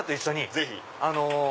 ぜひ！